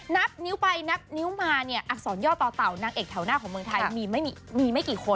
นับนิ้วไปนับนิ้วมาเนี่ยอักษรย่อต่อเต่านางเอกแถวหน้าของเมืองไทยมีไม่กี่คน